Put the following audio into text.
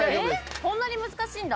こんなに難しいんだ。